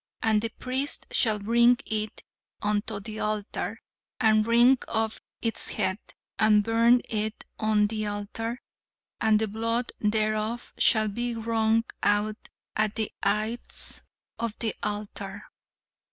And the priest shall bring it unto the altar, and wring off its head, and burn it on the altar; and the blood thereof shall be wrung out at the ides of the altar.'